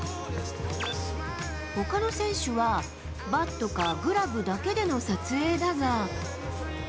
ほかの選手は、バットかグラブだけでの撮影だが。